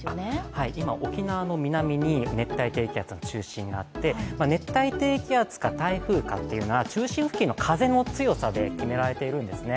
はい、今、沖縄の南に熱帯低気圧の中心があって、熱帯低気圧か台風かというのは中心付近の風の強さで決められているんですね